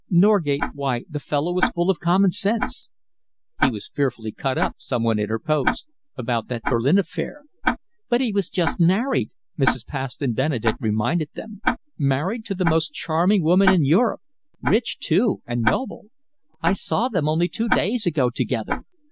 Norgate why, the fellow was full of common sense." "He was fearfully cut up," some one interposed, "about that Berlin affair." "But he was just married," Mrs. Paston Benedek reminded them, "married to the most charming woman in Europe, rich, too, and noble. I saw them only two days ago together.